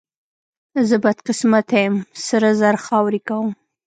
زه بدقسمته یم، سره زر خاورې کوم.